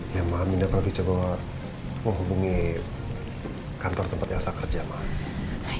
ya ma'am indah banget gue coba hubungi kantor tempat elsa kerja ma'am